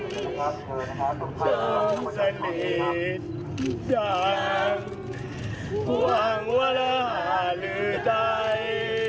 ต้องสนิทจากหวังว่ารหาหรือใด